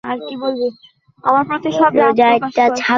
গতকাল ভোরে হঠাৎ ছমিরন তাঁর স্বামী মারা গেছে বলে চিৎকার করতে থাকেন।